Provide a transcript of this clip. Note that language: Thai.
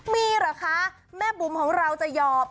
มีเหรอคะแม่บุ๋มของเราจะหอบ